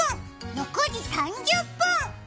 ６時３０分！